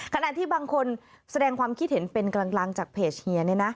ขณะที่บางคนแสดงความคิดเห็นเป็นกลางจากเพจเฮียเนี่ยนะ